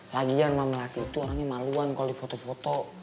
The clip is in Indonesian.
lagian mak melati itu orangnya maluan kalo di foto foto